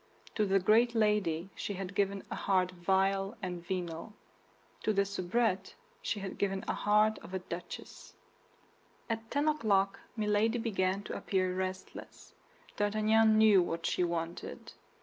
To the great lady she had given a heart vile and venal; to the soubrette she had given the heart of a duchess. At ten o'clock Milady began to appear restless. D'Artagnan knew what she wanted.